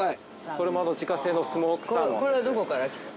◆これも自家製のスモークサーモンですね。